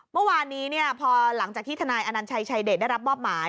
เมื่อวานนี้พอหลังจากที่ทนายอนัญชัยชายเดชได้รับมอบหมาย